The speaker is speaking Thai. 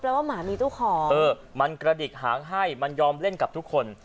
ว่าหมามีตู้คอเออมันกระดิกหางให้มันยอมเล่นกับทุกคน